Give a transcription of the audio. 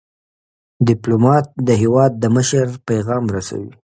ډيپلومات د هیواد د مشر پیغام رسوي.